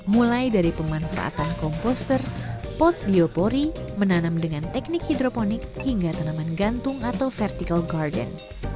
mulai dari pemanfaatan komposter pot biopori menanam dengan teknik hidroponik hingga tanaman gantung atau vertical garden